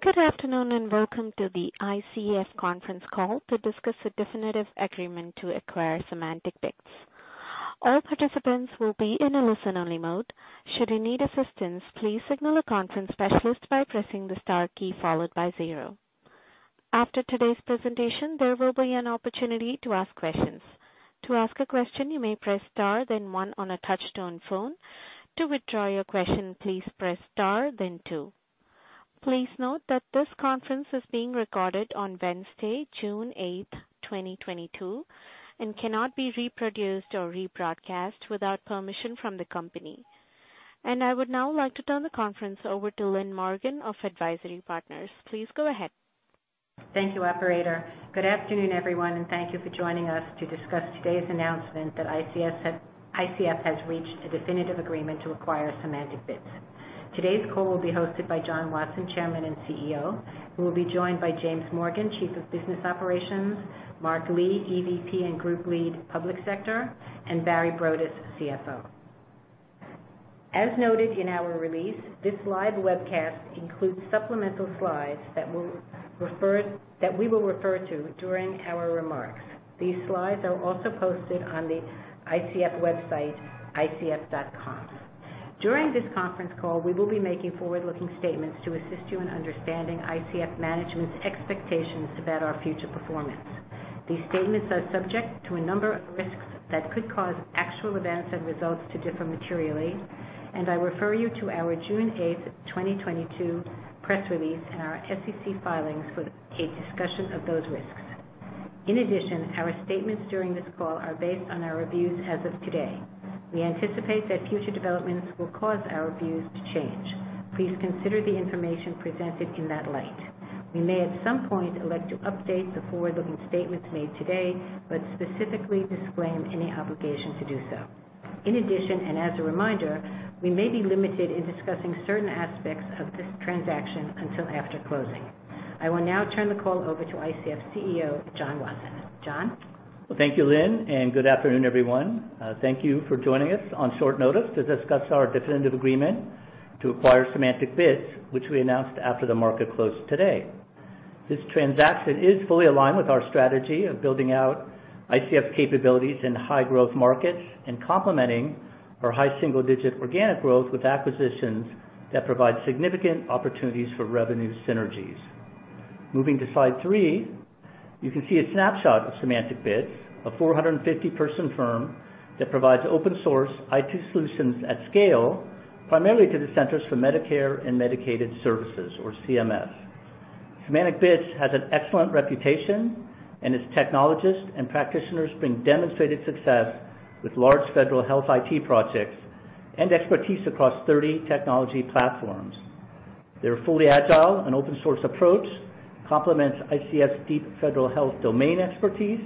Good afternoon, and welcome to the ICF conference call to discuss the definitive agreement to acquire SemanticBits. All participants will be in a listen-only mode. Should you need assistance, please signal a conference specialist by pressing the star key followed by zero. After today's presentation, there will be an opportunity to ask questions. To ask a question, you may press Star then one on a touchtone phone. To withdraw your question, please press Star then two. Please note that this conference is being recorded on Wednesday, June 8, 2022, and cannot be reproduced or rebroadcast without permission from the company. I would now like to turn the conference over to Lynn Morgen of AdvisIRy Partners. Please go ahead. Thank you, operator. Good afternoon, everyone, and thank you for joining us to discuss today's announcement that ICF has reached a definitive agreement to acquire SemanticBits. Today's call will be hosted by John Wasson, Chairman and CEO, who will be joined by James Morgan, Chief of Business Operations, Mark Lee, EVP and Group Lead, Public Sector, and Barry Broadus, CFO. As noted in our release, this live webcast includes supplemental slides that we will refer to during our remarks. These slides are also posted on the ICF website at icf.com. During this conference call, we will be making forward-looking statements to assist you in understanding ICF management's expectations about our future performance. These statements are subject to a number of risks that could cause actual events and results to differ materially, and I refer you to our June 8, 2022 press release and our SEC filings for a discussion of those risks. In addition, our statements during this call are based on our reviews as of today. We anticipate that future developments will cause our views to change. Please consider the information presented in that light. We may at some point elect to update the forward-looking statements made today, but specifically disclaim any obligation to do so. In addition, and as a reminder, we may be limited in discussing certain aspects of this transaction until after closing. I will now turn the call over to ICF's CEO, John Wasson. John? Well, thank you, Lynn, and good afternoon, everyone. Thank you for joining us on short notice to discuss our definitive agreement to acquire SemanticBits, which we announced after the market closed today. This transaction is fully aligned with our strategy of building out ICF capabilities in high-growth markets and complementing our high single-digit organic growth with acquisitions that provide significant opportunities for revenue synergies. Moving to slide 3, you can see a snapshot of SemanticBits, a 450-person firm that provides open source IT solutions at scale, primarily to the Centers for Medicare and Medicaid Services, or CMS. SemanticBits has an excellent reputation, and its technologists and practitioners bring demonstrated success with large federal health IT projects and expertise across 30 technology platforms. Their fully agile and open source approach complements ICF's deep federal health domain expertise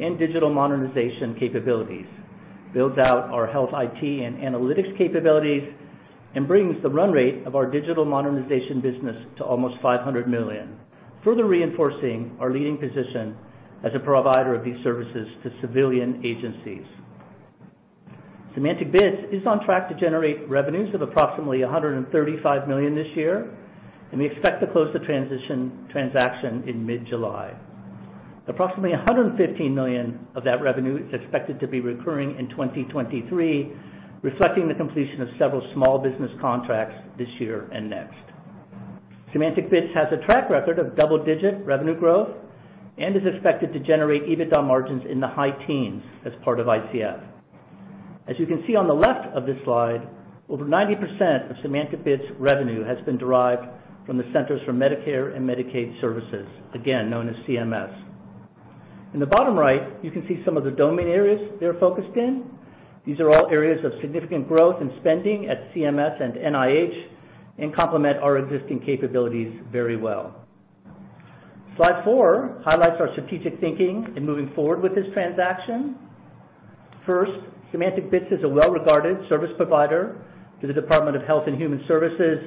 and digital modernization capabilities, builds out our health IT and analytics capabilities, and brings the run rate of our digital modernization business to almost $500 million, further reinforcing our leading position as a provider of these services to civilian agencies. SemanticBits is on track to generate revenues of approximately $135 million this year, and we expect to close the transaction in mid-July. Approximately $115 million of that revenue is expected to be recurring in 2023, reflecting the completion of several small business contracts this year and next. SemanticBits has a track record of double-digit revenue growth and is expected to generate EBITDA margins in the high teens as part of ICF. As you can see on the left of this slide, over 90% of SemanticBits' revenue has been derived from the Centers for Medicare & Medicaid Services, again, known as CMS. In the bottom right, you can see some of the domain areas they're focused in. These are all areas of significant growth in spending at CMS and NIH and complement our existing capabilities very well. Slide 4 highlights our strategic thinking in moving forward with this transaction. First, SemanticBits is a well-regarded service provider to the Department of Health and Human Services,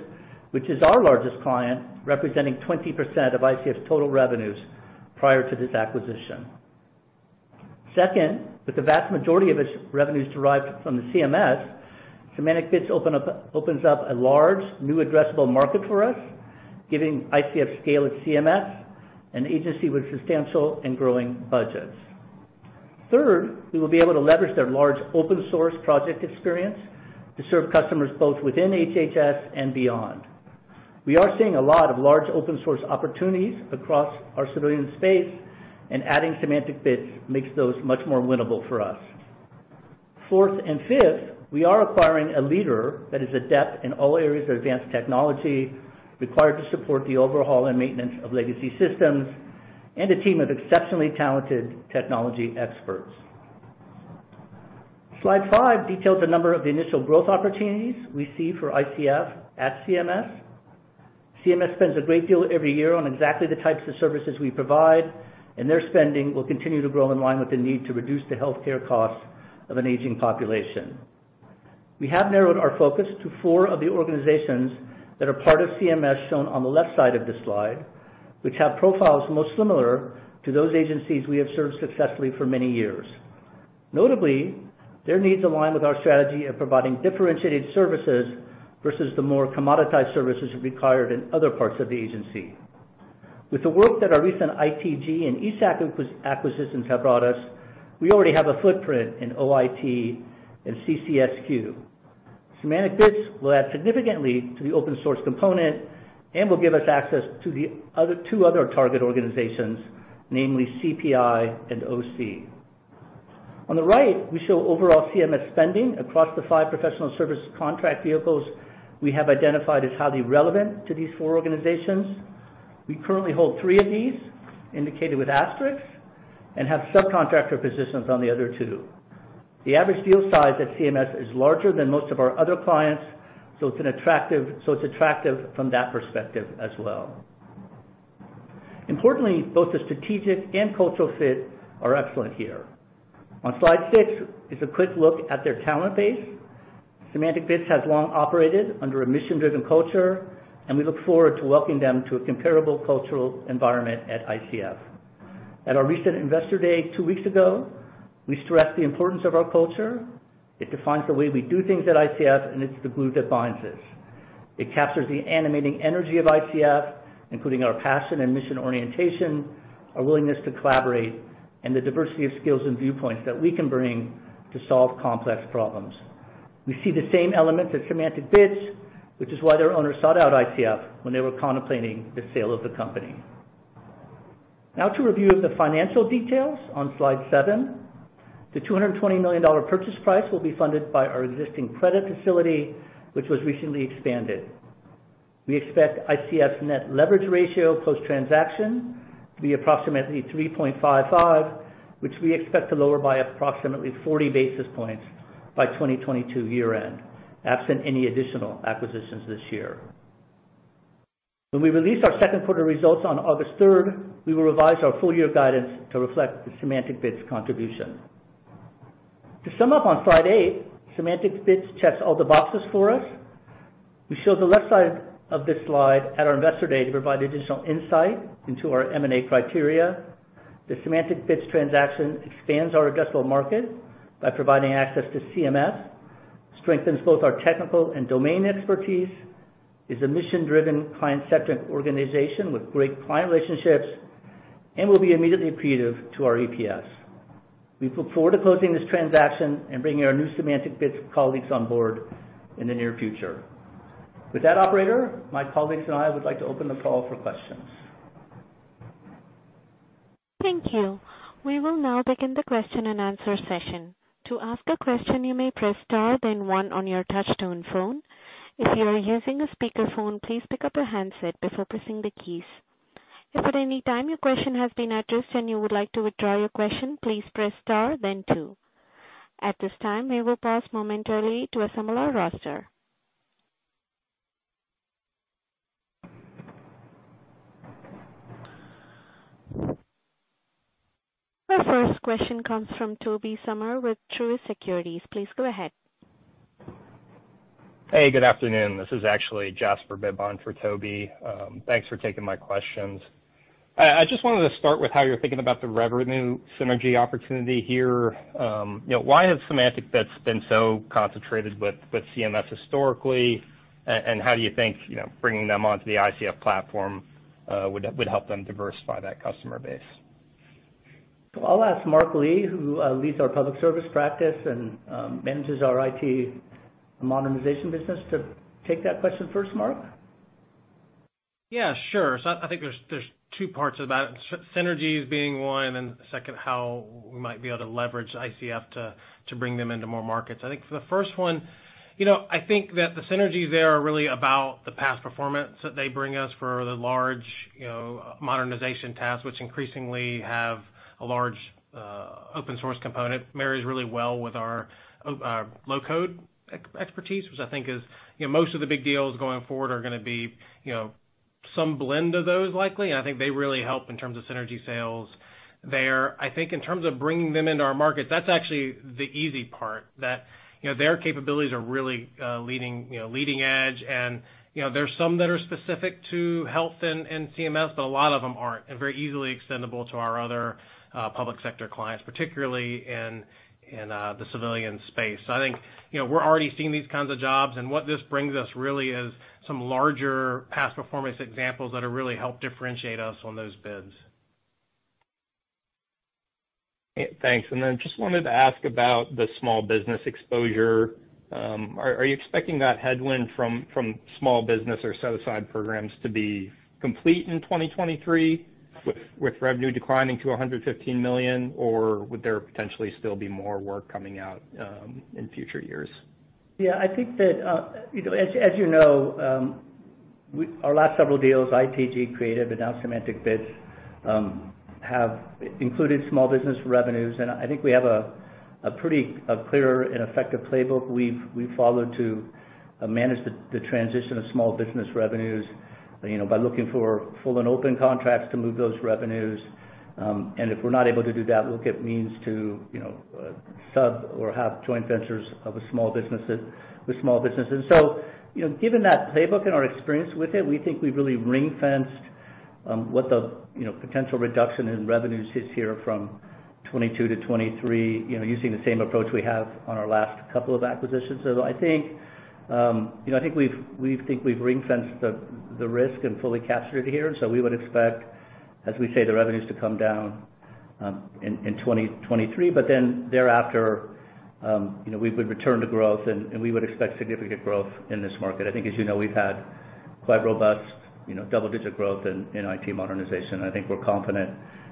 which is our largest client, representing 20% of ICF's total revenues prior to this acquisition. Second, with the vast majority of its revenues derived from the CMS, SemanticBits opens up a large new addressable market for us, giving ICF scale at CMS, an agency with substantial and growing budgets. Third, we will be able to leverage their large open source project experience to serve customers both within HHS and beyond. We are seeing a lot of large open source opportunities across our civilian space, and adding SemanticBits makes those much more winnable for us. Fourth and fifth, we are acquiring a leader that is adept in all areas of advanced technology required to support the overhaul and maintenance of legacy systems and a team of exceptionally talented technology experts. Slide 5 details a number of the initial growth opportunities we see for ICF at CMS. CMS spends a great deal every year on exactly the types of services we provide, and their spending will continue to grow in line with the need to reduce the healthcare costs of an aging population. We have narrowed our focus to four of the organizations that are part of CMS, shown on the left side of this slide, which have profiles most similar to those agencies we have served successfully for many years. Notably, their needs align with our strategy of providing differentiated services versus the more commoditized services required in other parts of the agency. With the work that our recent ITG and ESAC acquisitions have brought us, we already have a footprint in OIT and CCSQ. SemanticBits will add significantly to the open source component and will give us access to the other two other target organizations, namely CPI and OC. On the right, we show overall CMS spending across the five professional service contract vehicles we have identified as highly relevant to these four organizations. We currently hold three of these, indicated with asterisks, and have subcontractor positions on the other two. The average deal size at CMS is larger than most of our other clients, so it's attractive from that perspective as well. Importantly, both the strategic and cultural fit are excellent here. On slide 6 is a quick look at their talent base. SemanticBits has long operated under a mission-driven culture, and we look forward to welcoming them to a comparable cultural environment at ICF. At our recent Investor Day 2 weeks ago, we stressed the importance of our culture. It defines the way we do things at ICF, and it's the glue that binds us. It captures the animating energy of ICF, including our passion and mission orientation, our willingness to collaborate, and the diversity of skills and viewpoints that we can bring to solve complex problems. We see the same elements at SemanticBits, which is why their owners sought out ICF when they were contemplating the sale of the company. Now, to review the financial details on slide 7. The $220 million purchase price will be funded by our existing credit facility, which was recently expanded. We expect ICF's net leverage ratio post-transaction to be approximately 3.55, which we expect to lower by approximately 40 basis points by 2022 year-end, absent any additional acquisitions this year. When we release our second quarter results on August 3, we will revise our full year guidance to reflect the SemanticBits contribution. To sum up on slide 8, SemanticBits checks all the boxes for us. We show the left side of this slide at our Investor Day to provide additional insight into our M&A criteria. The SemanticBits transaction expands our addressable market by providing access to CMS, strengthens both our technical and domain expertise, is a mission-driven client-centric organization with great client relationships, and will be immediately accretive to our EPS. We look forward to closing this transaction and bringing our new SemanticBits colleagues on board in the near future. With that, operator, my colleagues and I would like to open the call for questions. Thank you. We will now begin the question-and-answer session. To ask a question, you may press star, then one on your touchtone phone. If you are using a speakerphone, please pick up your handset before pressing the keys. If at any time your question has been addressed and you would like to withdraw your question, please press star then two. At this time, we will pause momentarily to assemble our roster. Our first question comes from Tobey Sommer with Truist Securities. Please go ahead. Hey, good afternoon. This is actually Jasper Bibb for Toby. Thanks for taking my questions. I just wanted to start with how you're thinking about the revenue synergy opportunity here. You know, why has SemanticBits been so concentrated with CMS historically? How do you think, you know, bringing them onto the ICF platform would help them diversify that customer base? I'll ask Mark Lee, who leads our public service practice and manages our IT modernization business to take that question first. Mark? Yeah, sure. I think there's two parts of that, synergies being one, and then second, how we might be able to leverage ICF to bring them into more markets. I think for the first one, you know, I think that the synergies there are really about the past performance that they bring us for the large, you know, modernization tasks, which increasingly have a large, open source component. Marries really well with our low code expertise, which I think is, you know, most of the big deals going forward are gonna be, you know, some blend of those likely, and I think they really help in terms of synergy sales there. I think in terms of bringing them into our markets, that's actually the easy part. That, you know, their capabilities are really, leading, you know, leading edge and, you know, there are some that are specific to health and CMS, but a lot of them aren't, and very easily extendable to our other, public sector clients, particularly in, the civilian space. I think, you know, we're already seeing these kinds of jobs, and what this brings us really is some larger past performance examples that'll really help differentiate us on those bids. Thanks. Just wanted to ask about the small business exposure. Are you expecting that headwind from small business or set-aside programs to be complete in 2023 with revenue declining to $115 million? Or would there potentially still be more work coming out in future years? Yeah, I think that, you know, as you know, our last several deals, ITG, Creative, and now SemanticBits, have included small business revenues. I think we have a pretty clear and effective playbook we've followed to manage the transition of small business revenues, you know, by looking for full and open contracts to move those revenues. If we're not able to do that, look at means to, you know, sub or have joint ventures of small businesses, with small businesses. You know, given that playbook and our experience with it, we think we've really ring-fenced what the, you know, potential reduction in revenues is here from 2022-2023, you know, using the same approach we have on our last couple of acquisitions. I think, you know, I think we think we've ring-fenced the risk and fully captured it here. We would expect, as we say, the revenues to come down in 2023, but then thereafter, you know, we would return to growth and we would expect significant growth in this market. I think, as you know, we've had quite robust, you know, double-digit growth in IT modernization. I think we're confident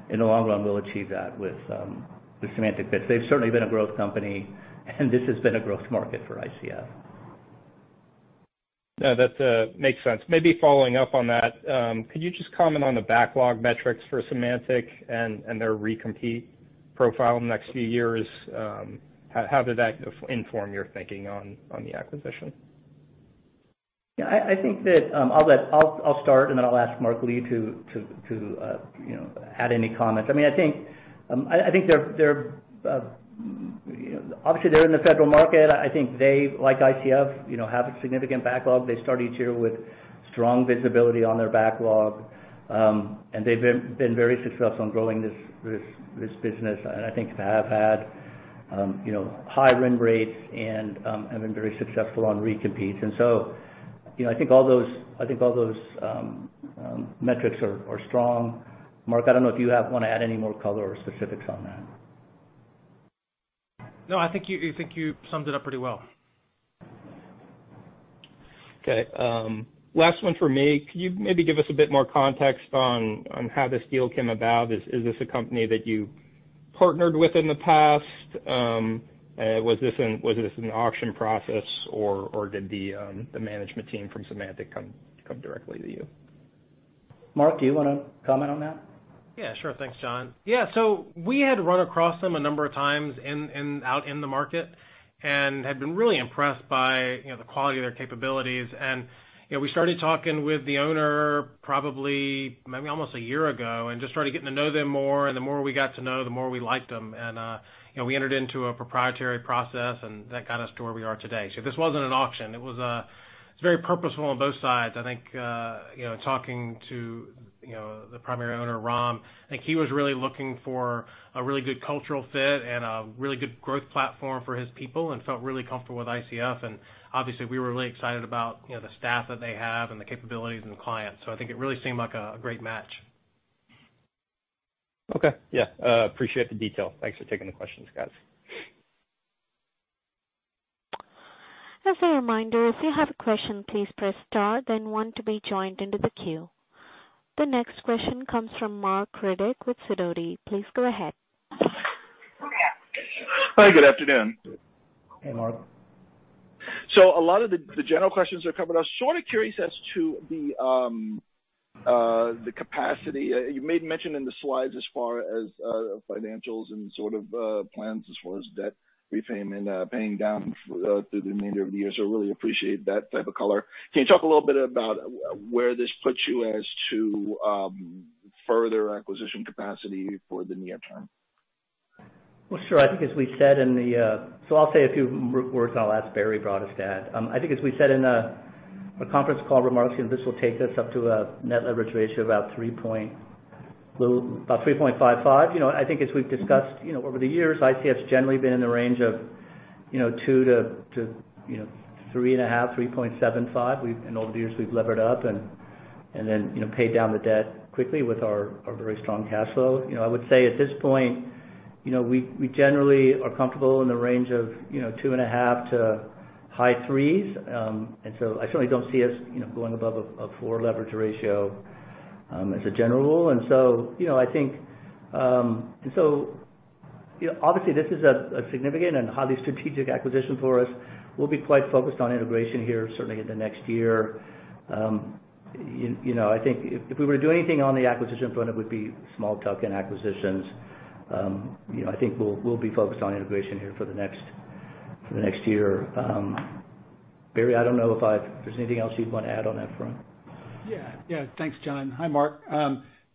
in the long run we'll achieve that with SemanticBits. They've certainly been a growth company, and this has been a growth market for ICF. No, that makes sense. Maybe following up on that, could you just comment on the backlog metrics for Semantic and their recompete profile in the next few years? How did that inform your thinking on the acquisition? I think that I'll start, and then I'll ask Mark Lee to add any comments. I mean, I think they're obviously in the federal market. I think they, like ICF, have a significant backlog. They start each year with strong visibility on their backlog. They've been very successful in growing this business. I think to have had high win rates and have been very successful on recompetes. I think all those metrics are strong. Mark, I don't know if you wanna add any more color or specifics on that. No, I think you summed it up pretty well. Okay. Last one for me. Could you maybe give us a bit more context on how this deal came about? Is this a company that you partnered with in the past? Was this an auction process, or did the management team from Semantic come directly to you? Mark, do you wanna comment on that? Yeah, sure. Thanks, John. Yeah. We had run across them a number of times out in the market and had been really impressed by, you know, the quality of their capabilities. You know, we started talking with the owner probably, maybe almost a year ago and just started getting to know them more. The more we got to know, the more we liked them. You know, we entered into a proprietary process, and that got us to where we are today. This wasn't an auction. It was very purposeful on both sides. I think, you know, talking to, you know, the primary owner, Ram, I think he was really looking for a really good cultural fit and a really good growth platform for his people and felt really comfortable with ICF. Obviously, we were really excited about, you know, the staff that they have and the capabilities and the clients. I think it really seemed like a great match. Okay. Yeah. Appreciate the detail. Thanks for taking the questions, guys. As a reminder, if you have a question, please press star, then one to be joined into the queue. The next question comes from Marc Riddick with Sidoti. Please go ahead. Hi, good afternoon. Hey, Marc. A lot of the general questions are covered. I was sorta curious as to the capacity. You made mention in the slides as far as financials and sort of plans as far as debt repayment, paying down through the remainder of the year. Really appreciate that type of color. Can you talk a little bit about where this puts you as to further acquisition capacity for the near term? Well, sure. I'll say a few words, and I'll ask Barry Broadus to add. I think as we said in our conference call remarks, you know, this will take us up to a net leverage ratio of about 3.55. You know, I think as we've discussed, you know, over the years, ICF's generally been in the range of, you know, 2 to 3.5, 3.75. In all the years, we've levered up and then, you know, paid down the debt quickly with our very strong cash flow. You know, I would say at this point, you know, we generally are comfortable in the range of, you know, 2.5 to high threes. I certainly don't see us, you know, going above a 4 leverage ratio, as a general rule. You know, I think you know, obviously, this is a significant and highly strategic acquisition for us. We'll be quite focused on integration here, certainly in the next year. You know, I think if we were to do anything on the acquisition front, it would be small tuck-in acquisitions. You know, I think we'll be focused on integration here for the next year. Barry, I don't know if there's anything else you'd wanna add on that front. Yeah. Yeah. Thanks, John. Hi, Marc.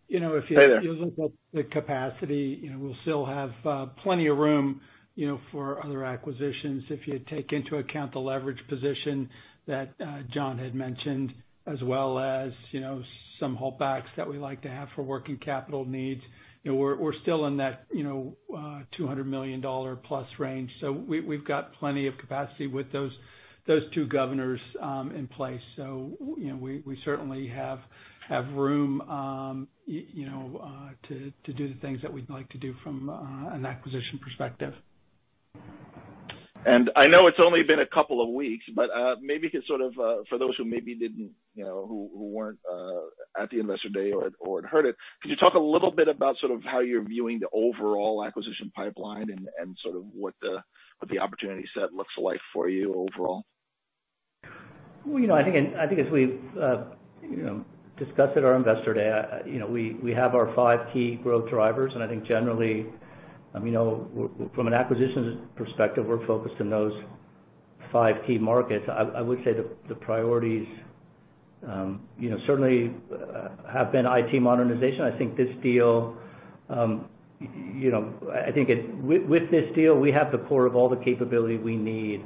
You know, if you- Hey there. If you look at the capacity, you know, we'll still have plenty of room, you know, for other acquisitions. If you take into account the leverage position that John had mentioned, as well as, you know, some holdbacks that we like to have for working capital needs, you know, we're still in that, you know, $200 million-plus range. We've got plenty of capacity with those two governors in place. You know, we certainly have room, you know, to do the things that we'd like to do from an acquisition perspective. I know it's only been a couple of weeks, but maybe you could sort of for those who maybe didn't, you know, who weren't at the Investor Day or had heard it, could you talk a little bit about sort of how you're viewing the overall acquisition pipeline and sort of what the opportunity set looks like for you overall? Well, you know, I think as we've discussed at our Investor Day, you know, we have our five key growth drivers. I think generally, you know, from an acquisitions perspective, we're focused on those five key markets. I would say the priorities, you know, certainly have been IT modernization. I think this deal. With this deal, we have the core of all the capability we need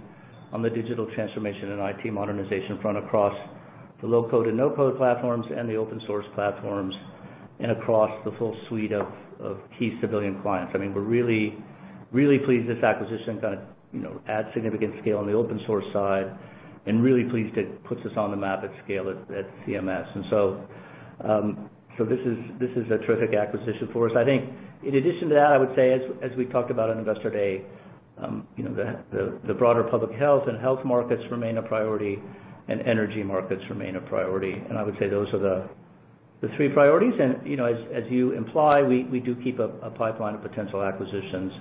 on the digital transformation and IT modernization front across the low-code and no-code platforms and the open source platforms and across the full suite of key civilian clients. I mean, we're really, really pleased this acquisition kinda adds significant scale on the open source side and really pleased it puts us on the map at scale at CMS. This is a terrific acquisition for us. I think in addition to that, I would say as we talked about on Investor Day, you know, the broader public health and health markets remain a priority and energy markets remain a priority. I would say those are the three priorities. You know, as you imply, we do keep a pipeline of potential acquisitions.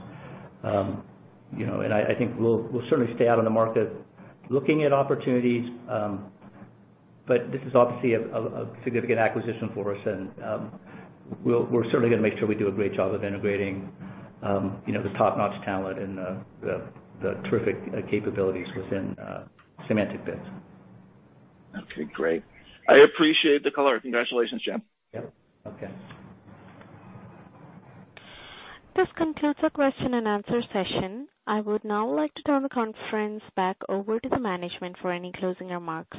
You know, I think we'll certainly stay out on the market looking at opportunities. This is obviously a significant acquisition for us. We're certainly gonna make sure we do a great job of integrating, you know, the top-notch talent and the terrific capabilities within SemanticBits. Okay, great. I appreciate the color. Congratulations, John. Yep. Okay. This concludes our question and answer session. I would now like to turn the conference back over to the management for any closing remarks.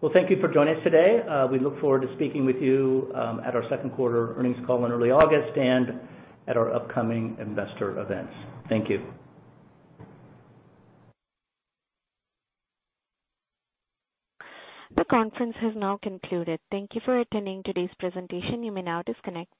Well, thank you for joining us today. We look forward to speaking with you, at our second quarter earnings call in early August and at our upcoming investor events. Thank you. The conference has now concluded. Thank you for attending today's presentation. You may now disconnect.